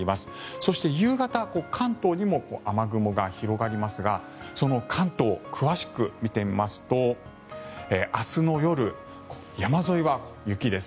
そして、夕方関東にも雨雲が広がりますがその関東、詳しく見てみますと明日の夜、山沿いは雪です。